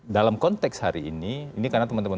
dalam konteks hari ini ini karena teman teman